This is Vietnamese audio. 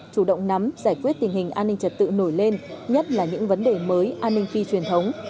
chủ động nắm giải quyết tình hình an ninh trật tự nổi lên nhất là những vấn đề mới an ninh phi truyền thống